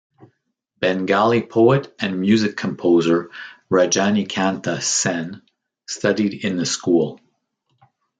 Bengali poet and music composer Rajanikanta Sen studied in the school.